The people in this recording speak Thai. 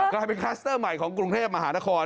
กลายเป็นคลัสเตอร์ใหม่ของกรุงเทพมหานคร